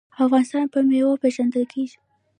افغانستان په میوو پیژندل کیږي.